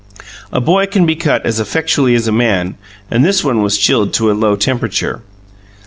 A boy can be cut as effectually as a man, and this one was chilled to a low temperature.